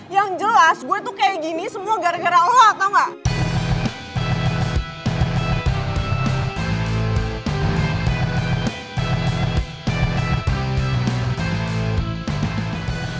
yang jelas gue tuh kayak gini semua gara gara lo tau gak